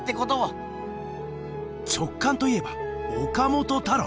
直感といえば岡本太郎！